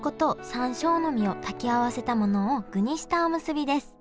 山椒の実を炊き合わせたものを具にしたおむすびです。